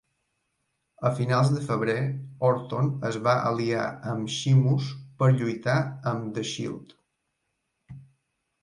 A finals de febrer, Orton es va aliar amb Sheamus per lluitar amb The Shield.